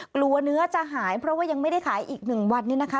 กลัวเนื้อจะหายเพราะว่ายังไม่ได้ขายอีก๑วันนี้นะคะ